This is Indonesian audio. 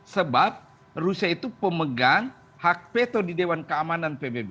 sebab rusia itu pemegang hak veto di dewan keamanan pbb